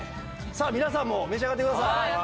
皆さんも召し上がってください。